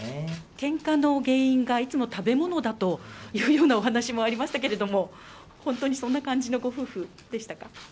けんかの原因が、いつも食べ物だというようなお話もありましたけれども、本当にそんな感じのご夫婦でしたか？